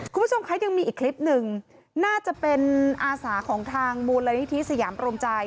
คุณผู้ชมคะยังมีอีกคลิปหนึ่งน่าจะเป็นอาสาของทางมูลนิธิสยามรวมใจ